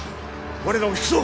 我らも引くぞ！